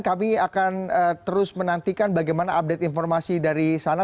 kami akan terus menantikan bagaimana update informasi dari sana